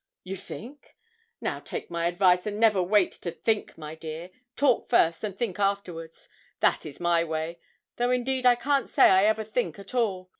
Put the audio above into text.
'You think? Now, take my advice, and never wait to think my dear; talk first, and think afterwards, that is my way; though, indeed, I can't say I ever think at all.